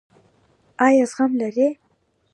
ایا زغم لرئ؟